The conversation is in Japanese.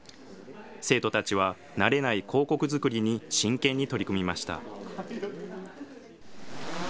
生徒たちは慣れない広告作りに真剣に取り組みました。